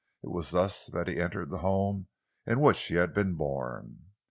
It was thus that he entered the home in which he had been born.